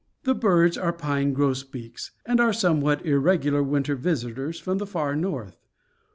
The birds are pine grosbeaks, and are somewhat irregular winter visitors from the far north.